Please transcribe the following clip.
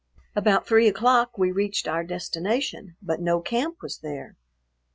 About three o'clock we reached our destination, but no camp was there.